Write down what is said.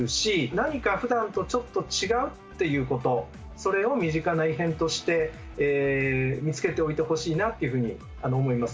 何かふだんとちょっと違うっていうことそれを身近な異変として見つけておいてほしいなというふうに思います。